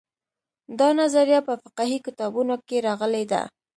دا نظریه په فقهي کتابونو کې راغلې ده.